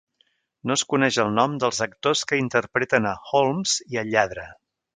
No es coneix el nom dels actors que interpreten a Holmes i al lladre.